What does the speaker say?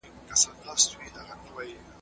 چیخوف دا حالت په ارامو جملو کې ښيي.